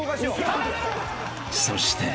［そして］